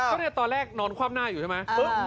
เขาตอนแรกนอนกวามหน้าอยู่ใช่ไหม